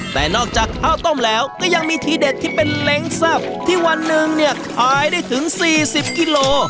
แต่นอกจากข้าวต้มแล้วก็ยังมีทีเด็ดที่เป็นเล้งแซ่บที่วันหนึ่งเนี่ยขายได้ถึง๔๐กิโล